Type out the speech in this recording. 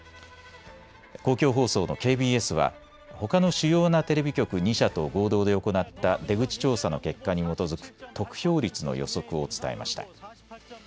公共放送のＫＢＳはほかの主要なテレビ局２社と合同で行った出口調査の結果に基づく得票率の予測を伝えました。